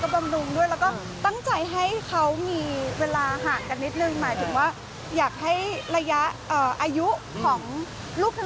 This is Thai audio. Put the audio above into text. บำรุงอยู่ค่ะ